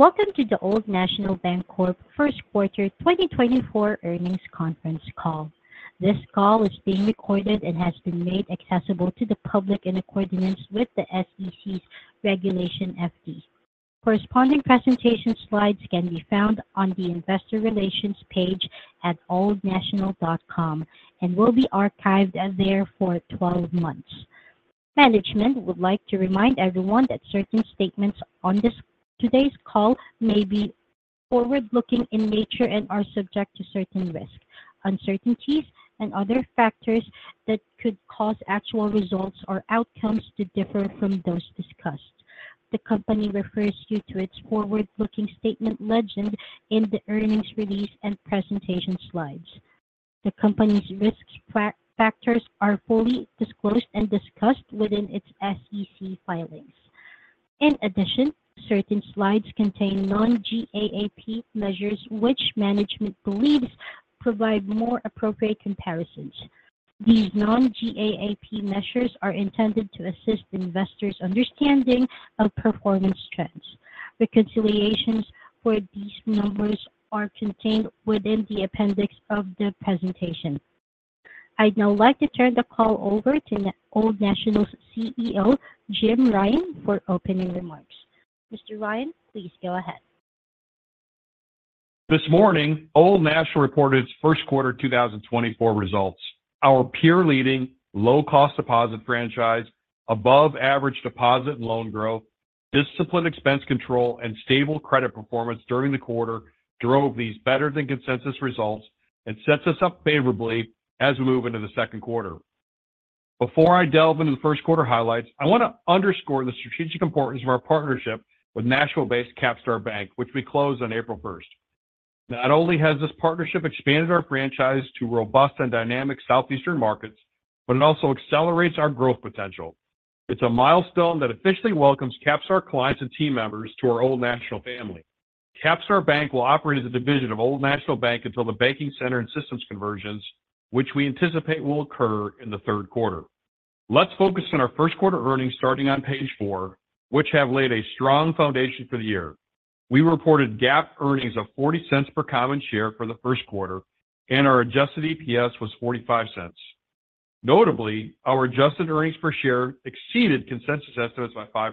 Welcome to the Old National Bancorp First Quarter 2024 Earnings Conference Call. This call is being recorded and has been made accessible to the public in accordance with the SEC's Regulation FD. Corresponding presentation slides can be found on the Investor Relations page at oldnational.com and will be archived there for 12 months. Management would like to remind everyone that certain statements on today's call may be forward-looking in nature and are subject to certain risks, uncertainties and other factors that could cause actual results or outcomes to differ from those discussed. The company refers you to its forward-looking statement legend in the earnings release and presentation slides. The company's risk factors are fully disclosed and discussed within its SEC filings. In addition, certain slides contain non-GAAP measures which management believes provide more appropriate comparisons. These non-GAAP measures are intended to assist investors' understanding of performance trends. Reconciliations for these numbers are contained within the appendix of the presentation. I'd now like to turn the call over to Old National's CEO, Jim Ryan, for opening remarks. Mr. Ryan, please go ahead. This morning, Old National reported its first quarter 2024 results. Our peer-leading, low-cost deposit franchise, above-average deposit and loan growth, disciplined expense control, and stable credit performance during the quarter drove these better-than-consensus results and set us up favorably as we move into the second quarter. Before I delve into the first quarter highlights, I want to underscore the strategic importance of our partnership with Nashville-based CapStar Bank, which we closed on April 1st. Not only has this partnership expanded our franchise to robust and dynamic Southeastern markets, but it also accelerates our growth potential. It's a milestone that officially welcomes CapStar clients and team members to our Old National family. CapStar Bank will operate as a division of Old National Bank until the banking center and systems conversions, which we anticipate will occur in the third quarter. Let's focus on our first quarter earnings starting on page four, which have laid a strong foundation for the year. We reported GAAP earnings of $0.40 per common share for the first quarter, and our adjusted EPS was $0.45. Notably, our adjusted earnings per share exceeded consensus estimates by 5%.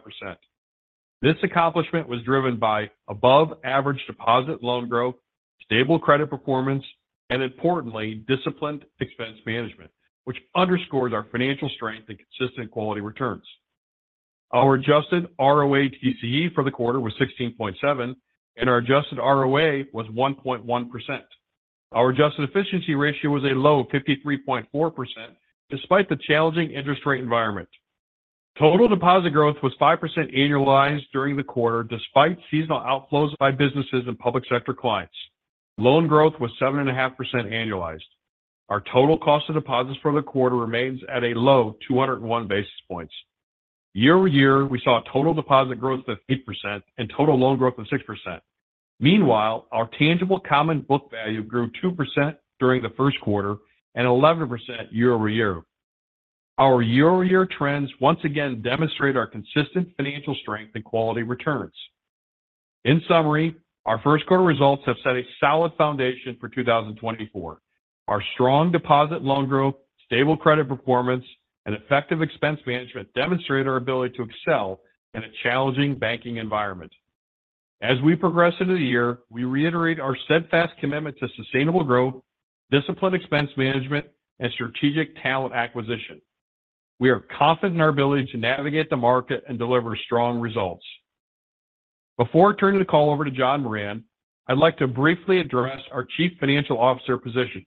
This accomplishment was driven by above-average deposit loan growth, stable credit performance, and importantly, disciplined expense management, which underscores our financial strength and consistent quality returns. Our adjusted ROATCE for the quarter was 16.7%, and our adjusted ROA was 1.1%. Our adjusted efficiency ratio was a low of 53.4% despite the challenging interest rate environment. Total deposit growth was 5% annualized during the quarter despite seasonal outflows by businesses and public sector clients. Loan growth was 7.5% annualized. Our total cost of deposits for the quarter remains at a low of 201 basis points. Year-over-year, we saw total deposit growth of 8% and total loan growth of 6%. Meanwhile, our tangible common book value grew 2% during the first quarter and 11% year-over-year. Our year-over-year trends once again demonstrate our consistent financial strength and quality returns. In summary, our first quarter results have set a solid foundation for 2024. Our strong deposit loan growth, stable credit performance, and effective expense management demonstrate our ability to excel in a challenging banking environment. As we progress into the year, we reiterate our steadfast commitment to sustainable growth, disciplined expense management, and strategic talent acquisition. We are confident in our ability to navigate the market and deliver strong results. Before turning the call over to John Moran, I'd like to briefly address our Chief Financial Officer position.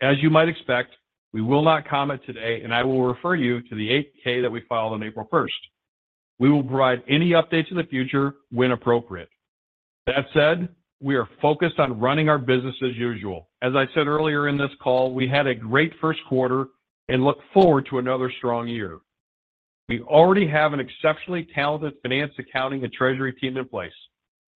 As you might expect, we will not comment today, and I will refer you to the 8-K that we filed on April 1st. We will provide any updates in the future when appropriate. That said, we are focused on running our business as usual. As I said earlier in this call, we had a great first quarter and look forward to another strong year. We already have an exceptionally talented finance, accounting, and treasury team in place.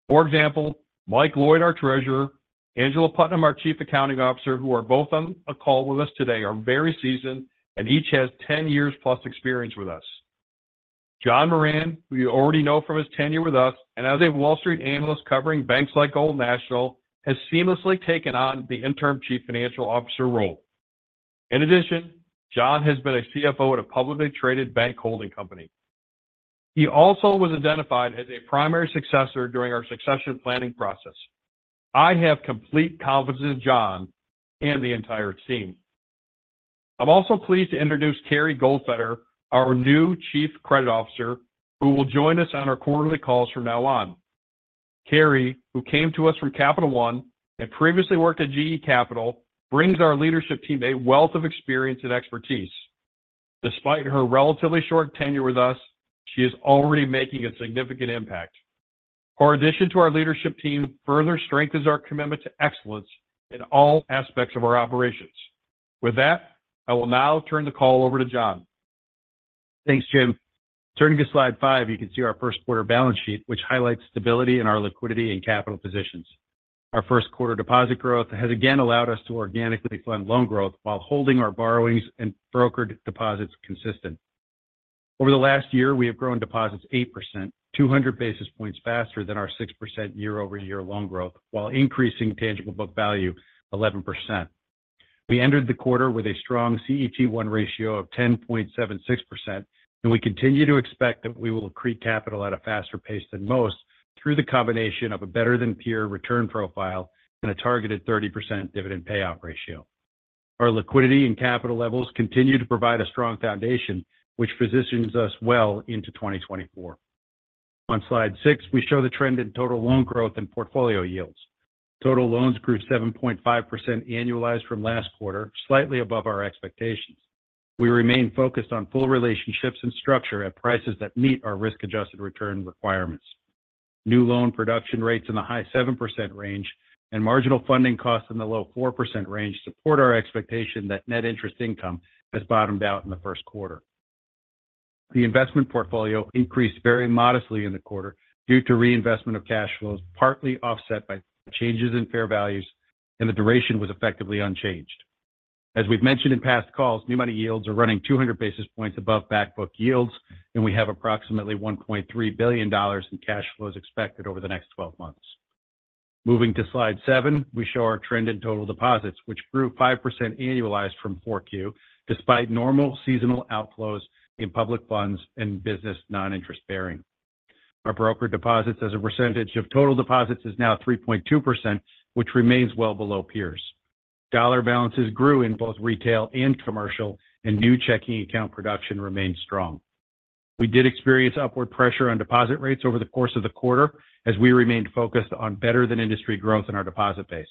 For example, Mike Lloyd, our Treasurer, Angela Putnam, our Chief Accounting Officer, who are both on the call with us today, are very seasoned and each has 10+ years experience with us. John Moran, who you already know from his tenure with us and as a Wall Street analyst covering banks like Old National, has seamlessly taken on the interim Chief Financial Officer role. In addition, John has been a CFO at a publicly traded bank holding company. He also was identified as a primary successor during our succession planning process. I have complete confidence in John and the entire team. I'm also pleased to introduce Keary Goldfeder, our new Chief Credit Officer, who will join us on our quarterly calls from now on. Carrie, who came to us from Capital One and previously worked at GE Capital, brings our leadership team a wealth of experience and expertise. Despite her relatively short tenure with us, she is already making a significant impact. Her addition to our leadership team further strengthens our commitment to excellence in all aspects of our operations. With that, I will now turn the call over to John. Thanks, Jim. Turning to slide five, you can see our first quarter balance sheet, which highlights stability in our liquidity and capital positions. Our first quarter deposit growth has again allowed us to organically fund loan growth while holding our borrowings and brokered deposits consistent. Over the last year, we have grown deposits 8%, 200 basis points faster than our 6% year-over-year loan growth, while increasing tangible book value 11%. We entered the quarter with a strong CET1 ratio of 10.76%, and we continue to expect that we will accrete capital at a faster pace than most through the combination of a better-than-peer return profile and a targeted 30% dividend payout ratio. Our liquidity and capital levels continue to provide a strong foundation, which positions us well into 2024. On slide six, we show the trend in total loan growth and portfolio yields. Total loans grew 7.5% annualized from last quarter, slightly above our expectations. We remain focused on full relationships and structure at prices that meet our risk-adjusted return requirements. New loan production rates in the high 7% range and marginal funding costs in the low 4% range support our expectation that net interest income has bottomed out in the first quarter. The investment portfolio increased very modestly in the quarter due to reinvestment of cash flows, partly offset by changes in fair values, and the duration was effectively unchanged. As we've mentioned in past calls, new money yields are running 200 basis points above back book yields, and we have approximately $1.3 billion in cash flows expected over the next 12 months. Moving to slide 7, we show our trend in total deposits, which grew 5% annualized from 4Q despite normal seasonal outflows in public funds and business non-interest-bearing. Our brokered deposits as a percentage of total deposits is now 3.2%, which remains well below peers. Dollar balances grew in both retail and commercial, and new checking account production remained strong. We did experience upward pressure on deposit rates over the course of the quarter as we remained focused on better-than-industry growth in our deposit base.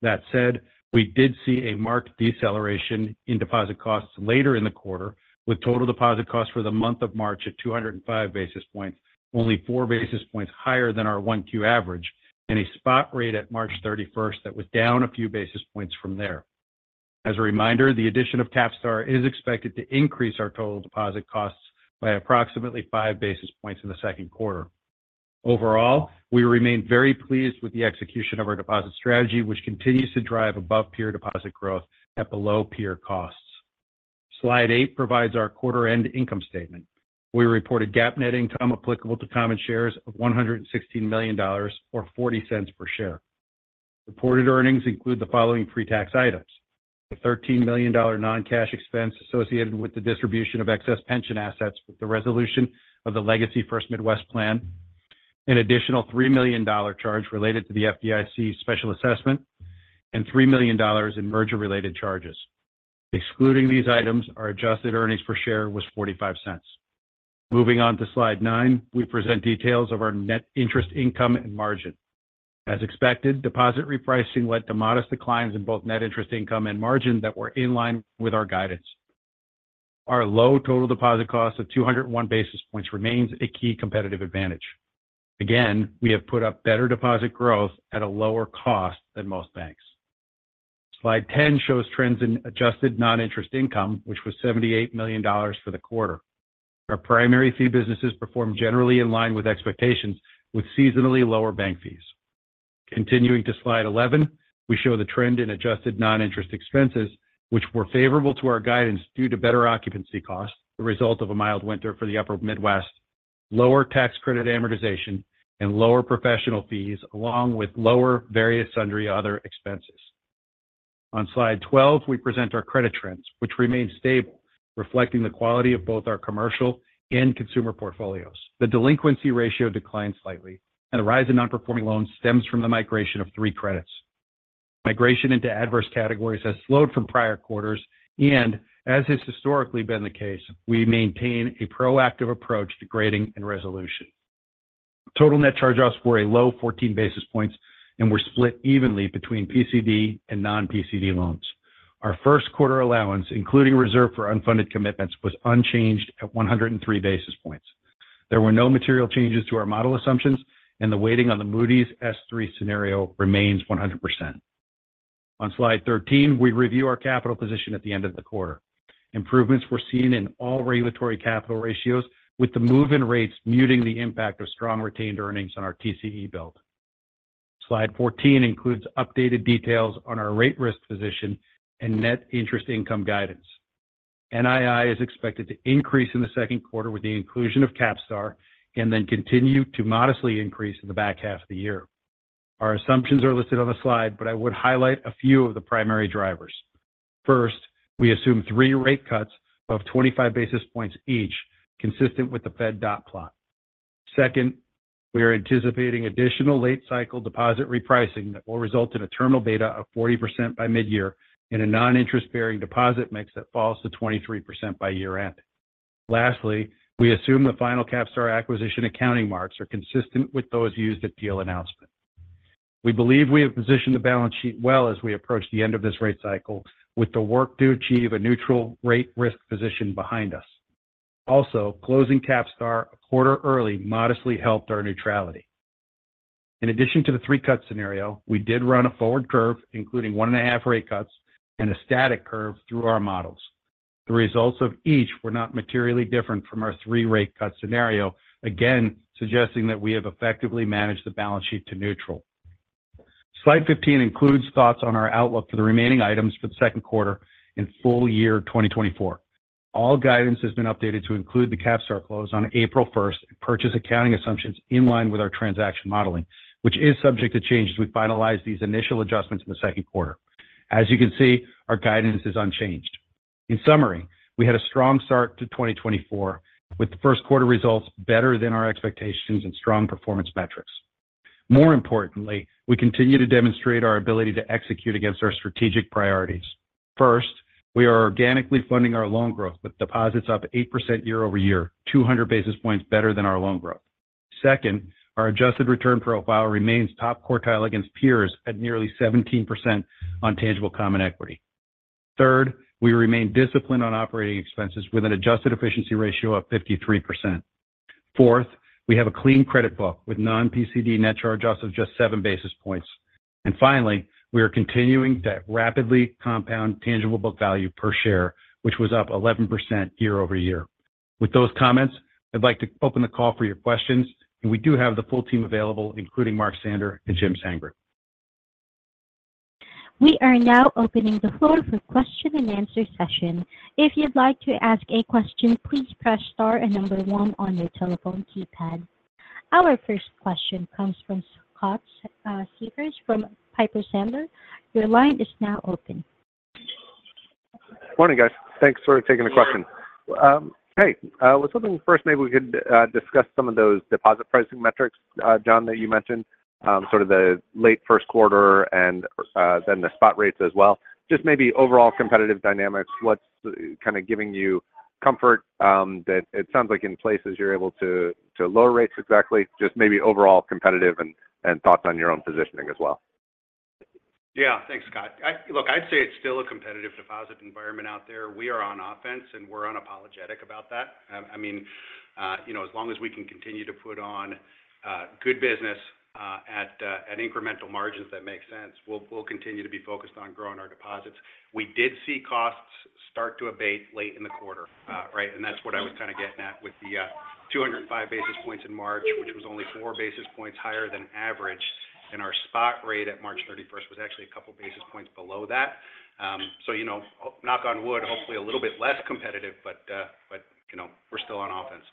That said, we did see a marked deceleration in deposit costs later in the quarter, with total deposit costs for the month of March at 205 basis points, only four basis points higher than our 1Q average, and a spot rate at March 31st that was down a few basis points from there. As a reminder, the addition of CapStar is expected to increase our total deposit costs by approximately five basis points in the second quarter. Overall, we remain very pleased with the execution of our deposit strategy, which continues to drive above-peer deposit growth at below-peer costs. Slide eight provides our quarter-end income statement. We reported GAAP net income applicable to common shares of $116 million or $0.40 per share. Reported earnings include the following pre-tax items: a $13 million non-cash expense associated with the distribution of excess pension assets with the resolution of the Legacy First Midwest Plan, an additional $3 million charge related to the FDIC special assessment, and $3 million in merger-related charges. Excluding these items, our adjusted earnings per share was $0.45. Moving on to slide nine, we present details of our net interest income and margin. As expected, deposit repricing led to modest declines in both net interest income and margin that were in line with our guidance. Our low total deposit cost of 201 basis points remains a key competitive advantage. Again, we have put up better deposit growth at a lower cost than most banks. Slide 10 shows trends in adjusted non-interest income, which was $78 million for the quarter. Our primary fee businesses performed generally in line with expectations, with seasonally lower bank fees. Continuing to slide 11, we show the trend in adjusted non-interest expenses, which were favorable to our guidance due to better occupancy costs, the result of a mild winter for the Upper Midwest, lower tax credit amortization, and lower professional fees, along with lower various sundry other expenses. On slide 12, we present our credit trends, which remain stable, reflecting the quality of both our commercial and consumer portfolios. The delinquency ratio declined slightly, and the rise in non-performing loans stems from the migration of three credits. Migration into adverse categories has slowed from prior quarters, and as has historically been the case, we maintain a proactive approach to grading and resolution. Total net charge-offs were a low 14 basis points, and were split evenly between PCD and non-PCD loans. Our first quarter allowance, including reserve for unfunded commitments, was unchanged at 103 basis points. There were no material changes to our model assumptions, and the weighting on the Moody's S3 scenario remains 100%. On slide 13, we review our capital position at the end of the quarter. Improvements were seen in all regulatory capital ratios, with the move-in rates muting the impact of strong retained earnings on our TCE build. Slide 14 includes updated details on our rate-risk position and net interest income guidance. NII is expected to increase in the second quarter with the inclusion of CapStar and then continue to modestly increase in the back half of the year. Our assumptions are listed on the slide, but I would highlight a few of the primary drivers. First, we assume three rate cuts of 25 basis points each, consistent with the Fed dot plot. Second, we are anticipating additional late-cycle deposit repricing that will result in a terminal beta of 40% by midyear and a non-interest bearing deposit mix that falls to 23% by year-end. Lastly, we assume the final CapStar acquisition accounting marks are consistent with those used at P&L announcement. We believe we have positioned the balance sheet well as we approach the end of this rate cycle, with the work to achieve a neutral rate-risk position behind us. Also, closing CapStar a quarter early modestly helped our neutrality. In addition to the three-cut scenario, we did run a forward curve, including 1.5 rate cuts, and a static curve through our models. The results of each were not materially different from our three-rate-cut scenario, again suggesting that we have effectively managed the balance sheet to neutral. Slide 15 includes thoughts on our outlook for the remaining items for the second quarter and full year 2024. All guidance has been updated to include the CapStar close on April 1st and purchase accounting assumptions in line with our transaction modeling, which is subject to change as we finalize these initial adjustments in the second quarter. As you can see, our guidance is unchanged. In summary, we had a strong start to 2024, with first-quarter results better than our expectations and strong performance metrics. More importantly, we continue to demonstrate our ability to execute against our strategic priorities. First, we are organically funding our loan growth with deposits up 8% year-over-year, 200 basis points better than our loan growth. Second, our adjusted return profile remains top quartile against peers at nearly 17% on tangible common equity. Third, we remain disciplined on operating expenses with an adjusted efficiency ratio of 53%. Fourth, we have a clean credit book with non-PCD net charge-offs of just 7 basis points. And finally, we are continuing to rapidly compound tangible book value per share, which was up 11% year-over-year. With those comments, I'd like to open the call for your questions, and we do have the full team available, including Mark Sander and Jim Sandgren. We are now opening the floor for question-and-answer session. If you'd like to ask a question, please press star and number one on your telephone keypad. Our first question comes from Scott Siefers from Piper Sandler. Your line is now open. Morning, guys. Thanks for taking the question. Hey, I was hoping first maybe we could discuss some of those deposit pricing metrics, John, that you mentioned, sort of the late first quarter and then the spot rates as well. Just maybe overall competitive dynamics, what's kind of giving you comfort that it sounds like in places you're able to lower rates exactly? Just maybe overall competitive and thoughts on your own positioning as well. Yeah, thanks, Scott. Look, I'd say it's still a competitive deposit environment out there. We are on offense, and we're unapologetic about that. I mean, as long as we can continue to put on good business at incremental margins that make sense, we'll continue to be focused on growing our deposits. We did see costs start to abate late in the quarter, right? And that's what I was kind of getting at with the 205 basis points in March, which was only four basis points higher than average. And our spot rate at March 31st was actually a couple basis points below that. So knock on wood, hopefully a little bit less competitive, but we're still on offense.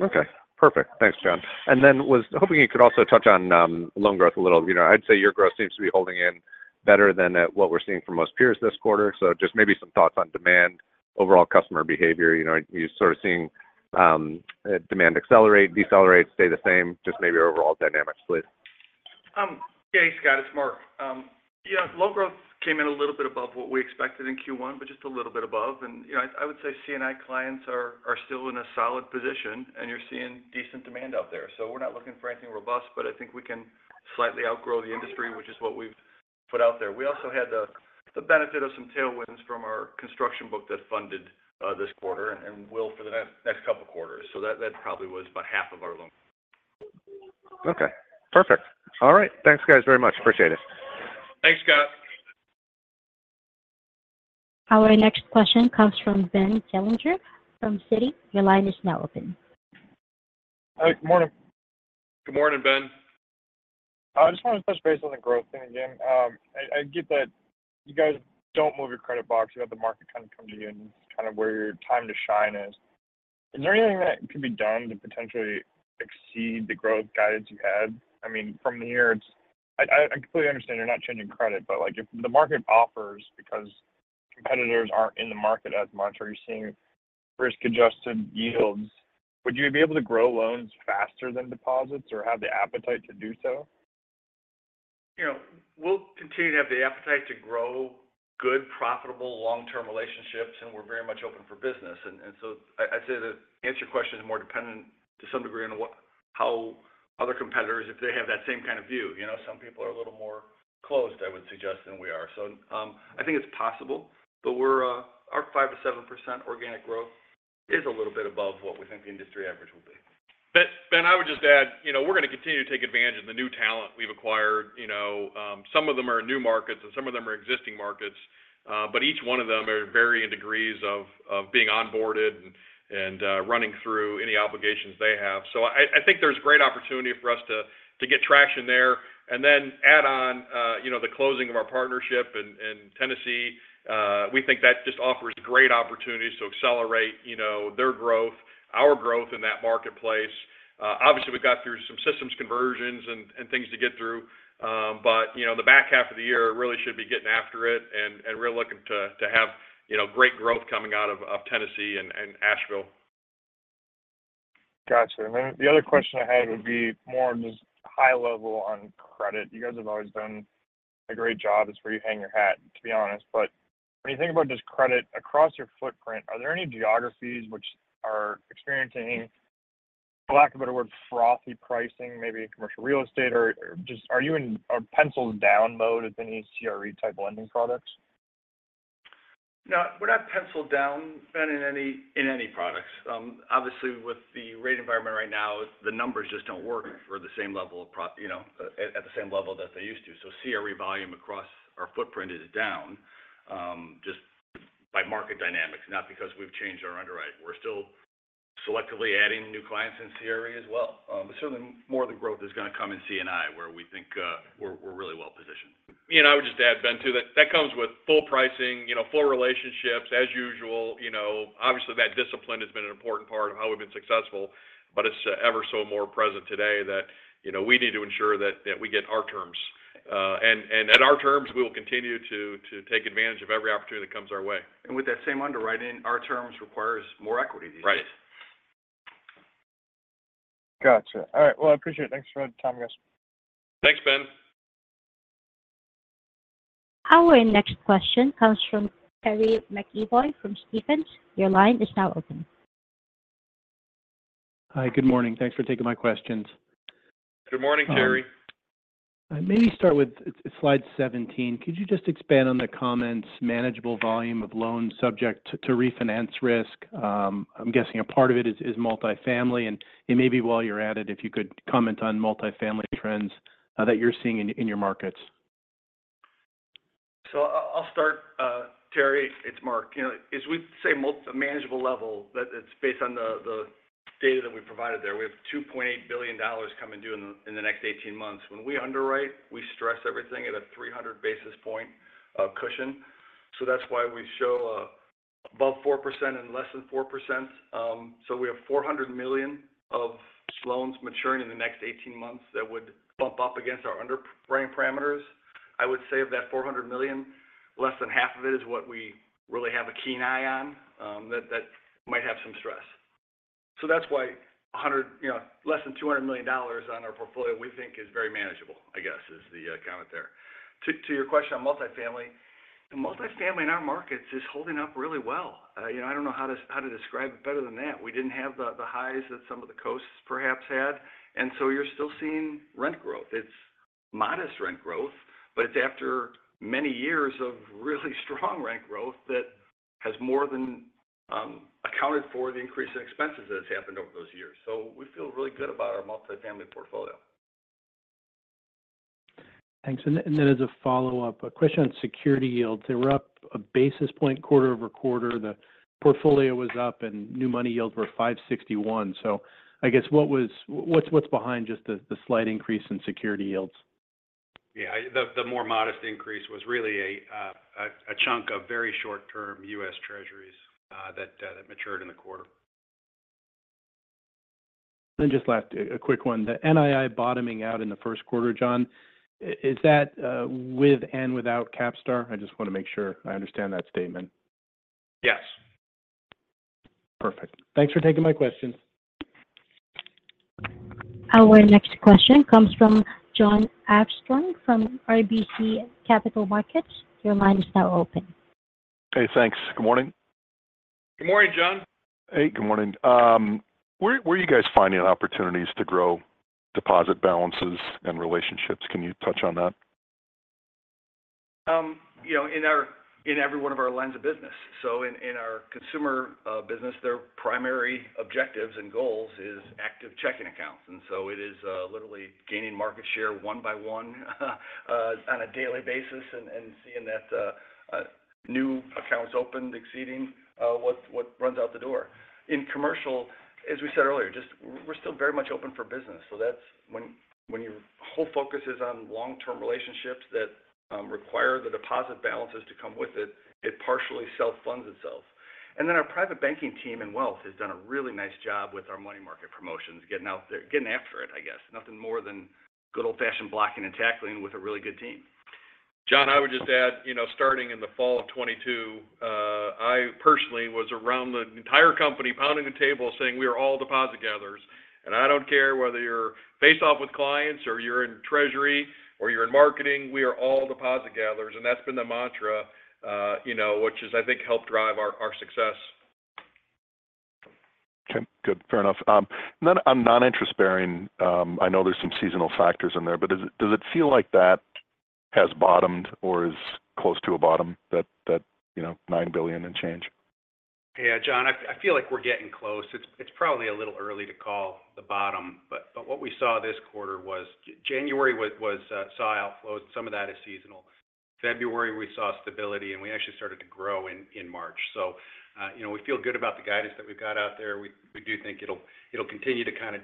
Okay, perfect. Thanks, John. And then I was hoping you could also touch on loan growth a little. I'd say your growth seems to be holding in better than what we're seeing from most peers this quarter. So just maybe some thoughts on demand, overall customer behavior. Are you sort of seeing demand accelerate, decelerate, stay the same? Just maybe overall dynamics, please. Hey, Scott. It's Mark. Loan growth came in a little bit above what we expected in Q1, but just a little bit above. And I would say C&I clients are still in a solid position, and you're seeing decent demand out there. So we're not looking for anything robust, but I think we can slightly outgrow the industry, which is what we've put out there. We also had the benefit of some tailwinds from our construction book that funded this quarter and will for the next couple quarters. So that probably was about half of our loan. Okay, perfect. All right. Thanks, guys, very much. Appreciate it. Thanks, Scott. Our next question comes from Ben Gerlinger from Citi. Your line is now open. Hi, good morning. Good morning, Ben. I just wanted to touch base on the growth thing again. I get that you guys don't move your credit box. You let the market kind of come to you, and it's kind of where your time to shine is. Is there anything that could be done to potentially exceed the growth guidance you had? I mean, from here, I completely understand you're not changing credit, but if the market offers because competitors aren't in the market as much or you're seeing risk-adjusted yields, would you be able to grow loans faster than deposits or have the appetite to do so? We'll continue to have the appetite to grow good, profitable, long-term relationships, and we're very much open for business. And so I'd say to answer your question, it's more dependent to some degree on how other competitors, if they have that same kind of view. Some people are a little more closed, I would suggest, than we are. So I think it's possible, but our 5%-7% organic growth is a little bit above what we think the industry average will be. Ben, I would just add we're going to continue to take advantage of the new talent we've acquired. Some of them are in new markets, and some of them are existing markets, but each one of them are varying degrees of being onboarded and running through any obligations they have. So I think there's great opportunity for us to get traction there. And then add on the closing of our partnership in Tennessee. We think that just offers great opportunities to accelerate their growth, our growth in that marketplace. Obviously, we've got through some systems conversions and things to get through, but the back half of the year really should be getting after it, and we're looking to have great growth coming out of Tennessee and Asheville. Gotcha. And then the other question I had would be more on just high level on credit. You guys have always done a great job. It's where you hang your hat, to be honest. But when you think about just credit across your footprint, are there any geographies which are experiencing, for lack of a better word, frothy pricing, maybe in Commercial Real Estate? Or are you in a pencil-down mode with any CRE-type lending products? No, we're not pencil-down, Ben, in any products. Obviously, with the rate environment right now, the numbers just don't work for the same level of at the same level that they used to. So CRE volume across our footprint is down just by market dynamics, not because we've changed our underwriting. We're still selectively adding new clients in CRE as well. But certainly, more of the growth is going to come in C&I, where we think we're really well positioned. I would just add, Ben, too, that that comes with full pricing, full relationships, as usual. Obviously, that discipline has been an important part of how we've been successful, but it's ever so more present today that we need to ensure that we get our terms. And at our terms, we will continue to take advantage of every opportunity that comes our way. With that same underwriting, our terms require more equity these days. Right. Gotcha. All right. Well, I appreciate it. Thanks for the time, guys. Thanks, Ben. Our next question comes from Terry McEvoy from Stephens. Your line is now open. Hi, good morning. Thanks for taking my questions. Good morning, Terry. I maybe start with slide 17. Could you just expand on the comments manageable volume of loans subject to refinance risk? I'm guessing a part of it is multifamily. And maybe while you're at it, if you could comment on multifamily trends that you're seeing in your markets. So I'll start, Terry. It's Mark. As we say, manageable level, it's based on the data that we provided there. We have $2.8 billion coming due in the next 18 months. When we underwrite, we stress everything at a 300 basis point cushion. So that's why we show above 4% and less than 4%. So we have $400 million of loans maturing in the next 18 months that would bump up against our underwriting parameters. I would say of that $400 million, less than half of it is what we really have a keen eye on that might have some stress. So that's why less than $200 million on our portfolio, we think, is very manageable, I guess, is the comment there. To your question on multifamily, multifamily in our markets is holding up really well. I don't know how to describe it better than that. We didn't have the highs that some of the coasts perhaps had. So you're still seeing rent growth. It's modest rent growth, but it's after many years of really strong rent growth that has more than accounted for the increase in expenses that has happened over those years. We feel really good about our multifamily portfolio. Thanks. And then as a follow-up question on securities yields, they were up a basis point quarter-over-quarter. The portfolio was up, and new money yields were 561. So I guess what's behind just the slight increase in securities yields? Yeah, the more modest increase was really a chunk of very short-term U.S. Treasuries that matured in the quarter. Just last, a quick one. The NII bottoming out in the first quarter, John, is that with and without CapStar? I just want to make sure I understand that statement. Yes. Perfect. Thanks for taking my questions. Our next question comes from Jon Arfstrom from RBC Capital Markets. Your line is now open. Hey, thanks. Good morning. Good morning, John. Hey, good morning. Where are you guys finding opportunities to grow deposit balances and relationships? Can you touch on that? In every one of our lines of business. So in our consumer business, their primary objectives and goals are active checking accounts. And so it is literally gaining market share one by one on a daily basis and seeing that new accounts opened, exceeding what runs out the door. In commercial, as we said earlier, we're still very much open for business. So when your whole focus is on long-term relationships that require the deposit balances to come with it, it partially self-funds itself. And then our private banking team in wealth has done a really nice job with our money market promotions, getting after it, I guess. Nothing more than good old-fashioned blocking and tackling with a really good team. John, I would just add, starting in the fall of 2022, I personally was around the entire company pounding the table saying, "We are all deposit gatherers. And I don't care whether you're faced off with clients or you're in Treasury or you're in marketing. We are all deposit gatherers." And that's been the mantra, which has, I think, helped drive our success. Okay, good. Fair enough. And then on non-interest bearing, I know there's some seasonal factors in there, but does it feel like that has bottomed or is close to a bottom, that $9 billion and change? Yeah, John, I feel like we're getting close. It's probably a little early to call the bottom, but what we saw this quarter was January saw outflows, and some of that is seasonal. February, we saw stability, and we actually started to grow in March. So we feel good about the guidance that we've got out there. We do think it'll continue to kind of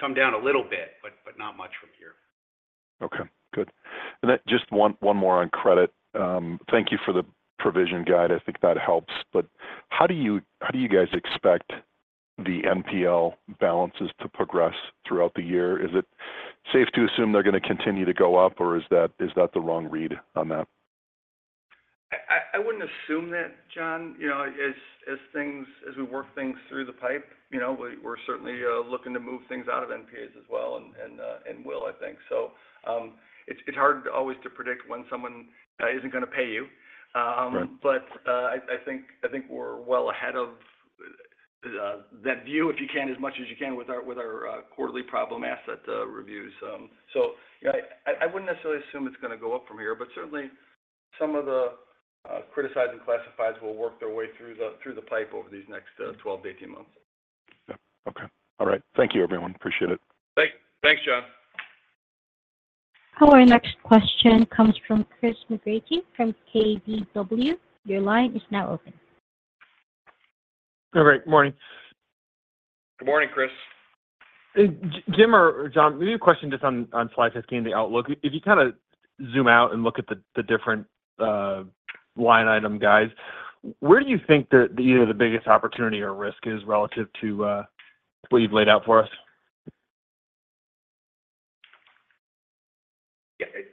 come down a little bit, but not much from here. Okay, good. And then just one more on credit. Thank you for the provision guide. I think that helps. But how do you guys expect the NPL balances to progress throughout the year? Is it safe to assume they're going to continue to go up, or is that the wrong read on that? I wouldn't assume that, John. As we work things through the pipe, we're certainly looking to move things out of NPAs as well and will, I think. So it's hard always to predict when someone isn't going to pay you. But I think we're well ahead of that view, if you can, as much as you can with our quarterly problem asset reviews. So I wouldn't necessarily assume it's going to go up from here, but certainly, some of the criticized and classifieds will work their way through the pipe over these next 12-18 months. Okay. All right. Thank you, everyone. Appreciate it. Thanks, John. Our next question comes from Chris McGratty from KBW. Your line is now open. All right. Good morning. Good morning, Chris. Jim or John, maybe a question just on slide 15, the outlook. If you kind of zoom out and look at the different line item guys, where do you think that either the biggest opportunity or risk is relative to what you've laid out for us?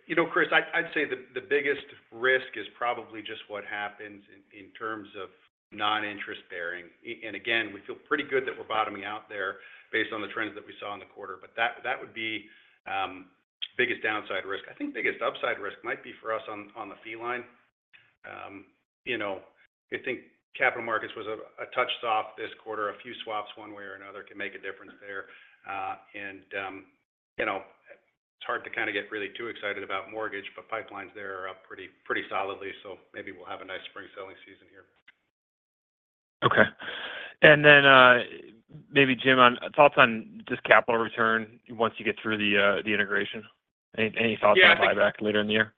Yeah, Chris, I'd say the biggest risk is probably just what happens in terms of non-interest bearing. And again, we feel pretty good that we're bottoming out there based on the trends that we saw in the quarter. But that would be biggest downside risk. I think biggest upside risk might be for us on the fee line. I think capital markets was a touch soft this quarter. A few swaps one way or another can make a difference there. And it's hard to kind of get really too excited about mortgage, but pipelines there are up pretty solidly. So maybe we'll have a nice spring selling season here. Okay. And then maybe, Jim, thoughts on just capital return once you get through the integration? Any thoughts on buyback later in the year?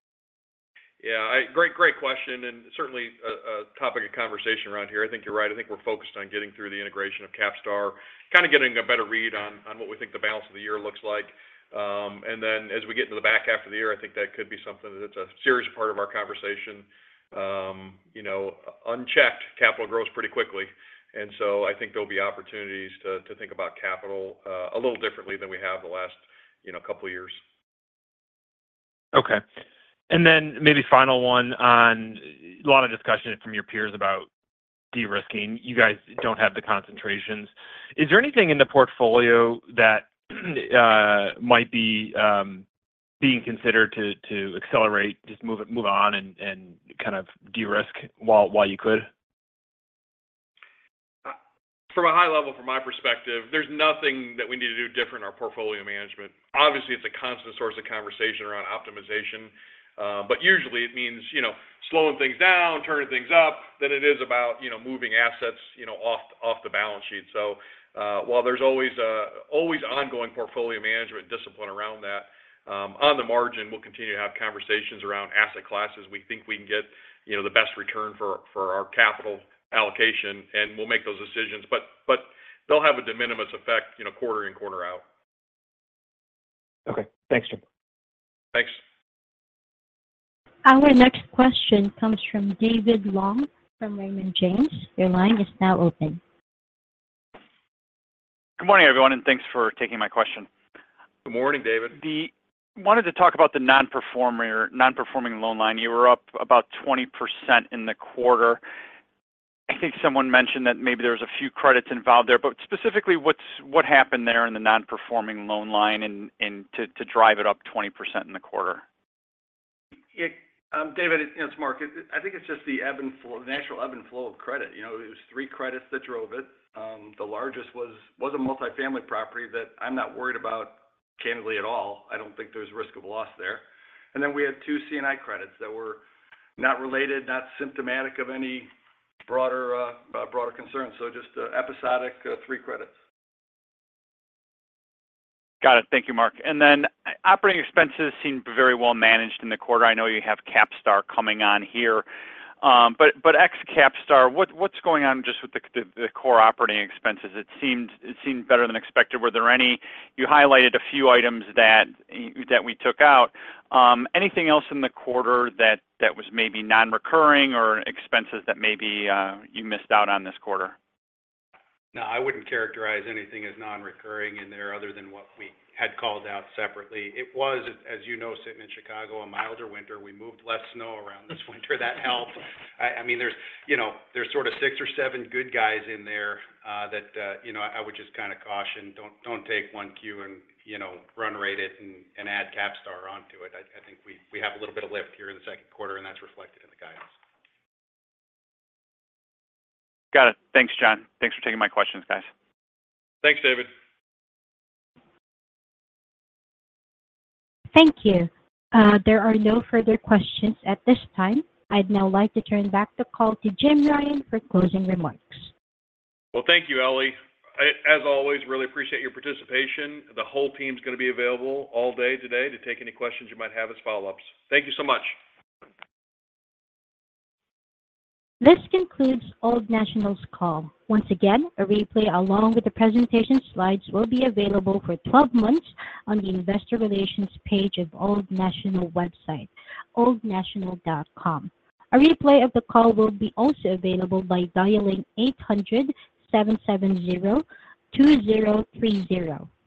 Yeah, great question and certainly a topic of conversation around here. I think you're right. I think we're focused on getting through the integration of CapStar, kind of getting a better read on what we think the balance of the year looks like. And then as we get into the back half of the year, I think that could be something that's a serious part of our conversation. Unchecked capital grows pretty quickly. And so I think there'll be opportunities to think about capital a little differently than we have the last couple of years. Okay. And then maybe final one on a lot of discussion from your peers about de-risking. You guys don't have the concentrations. Is there anything in the portfolio that might be being considered to accelerate, just move on and kind of de-risk while you could? From a high level, from my perspective, there's nothing that we need to do different in our portfolio management. Obviously, it's a constant source of conversation around optimization, but usually, it means slowing things down, turning things up. Then it is about moving assets off the balance sheet. So while there's always ongoing portfolio management discipline around that, on the margin, we'll continue to have conversations around asset classes. We think we can get the best return for our capital allocation, and we'll make those decisions. But they'll have a de minimis effect quarter in, quarter out. Okay. Thanks, Jim. Thanks. Our next question comes from David Long from Raymond James. Your line is now open. Good morning, everyone, and thanks for taking my question. Good morning, David. I wanted to talk about the non-performing loan line. You were up about 20% in the quarter. I think someone mentioned that maybe there was a few credits involved there. But specifically, what happened there in the non-performing loan line to drive it up 20% in the quarter? David, it's Mark. I think it's just the natural ebb and flow of credit. It was three credits that drove it. The largest was a multifamily property that I'm not worried about candidly at all. I don't think there's risk of loss there. And then we had two C&I credits that were not related, not symptomatic of any broader concerns. So just episodic three credits. Got it. Thank you, Mark. And then operating expenses seemed very well managed in the quarter. I know you have CapStar coming on here. But ex-CapStar, what's going on just with the core operating expenses? It seemed better than expected. Were there any you highlighted? A few items that we took out. Anything else in the quarter that was maybe non-recurring or expenses that maybe you missed out on this quarter? No, I wouldn't characterize anything as non-recurring in there other than what we had called out separately. It was, as you know, sitting in Chicago, a milder winter. We moved less snow around this winter. That helped. I mean, there's sort of six or seven good guys in there that I would just kind of caution. Don't take one cue and run rate it and add CapStar onto it. I think we have a little bit of lift here in the second quarter, and that's reflected in the guidance. Got it. Thanks, John. Thanks for taking my questions, guys. Thanks, David. Thank you. There are no further questions at this time. I'd now like to turn back the call to Jim Ryan for closing remarks. Well, thank you, Ellie. As always, really appreciate your participation. The whole team's going to be available all day today to take any questions you might have as follow-ups. Thank you so much. This concludes Old National's call. Once again, a replay along with the presentation slides will be available for 12 months on the investor relations page of Old National website, oldnational.com. A replay of the call will be also available by dialing 800-770-2030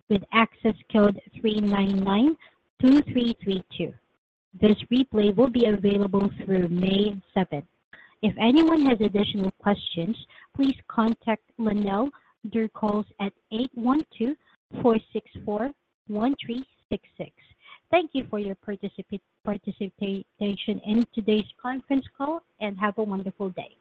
with access code 3992332. This replay will be available through May 7th. If anyone has additional questions, please contact Lynell Durchholz at 812-464-1366. Thank you for your participation in today's conference call, and have a wonderful day.